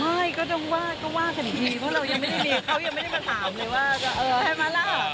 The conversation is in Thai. ใช่ก็ต้องว่าก็ว่ากันอีกทีเพราะเรายังไม่ได้ดีเขายังไม่ได้มาถามเลยว่าจะเออใช่ไหมล่ะ